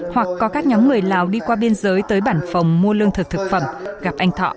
hoặc có các nhóm người lào đi qua biên giới tới bản phòng mua lương thực thực phẩm gặp anh thọ